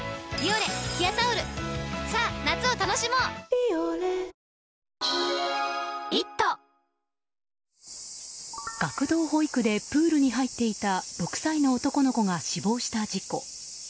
「ビオレ」学童保育でプールに入っていた６歳の男の子が死亡した事故。